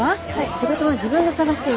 仕事は自分で探して動く。